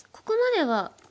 ここまでは。